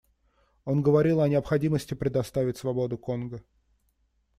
Он говорил о необходимости предоставить свободу Конго.